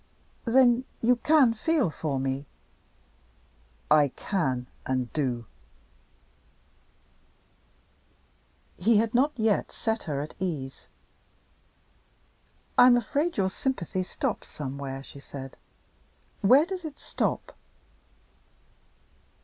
"Then you can feel for me?" "I can and do." He had not yet set her at ease. "I am afraid your sympathy stops somewhere," she said. "Where does it stop?"